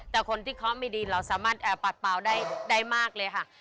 แต่คนที่เคาะไม่ดีเราสามารถปัดเปล่าได้มากเลยค่ะ